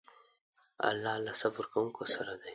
الله له صبر کوونکو سره دی.